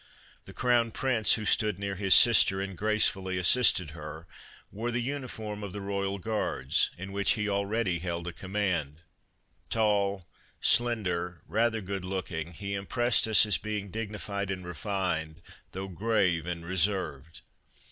The Crown Prince, who stood near his sister and gracefully assisted her, wore the uniform of the Royal Guards, in which he already held a 59 Christmas Under Three Plugs command. Tall, slender, rather good looking, he impressed us as being dignified and refined, though grave and reserved.